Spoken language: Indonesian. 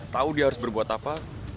tahu dia harus berbuat apa